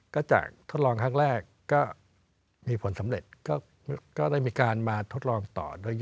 ก็จากทดลองครั้งแรกก็มีผลสำเร็จก็ได้มีการมาทดลองต่อด้วย